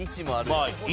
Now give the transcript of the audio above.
１もあるよ。